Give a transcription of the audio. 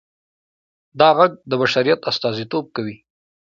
دا غږ د بشریت استازیتوب کوي.